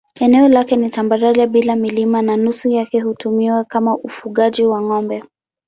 Eneo lake ni tambarare bila milima na nusu yake hutumiwa kwa ufugaji wa ng'ombe.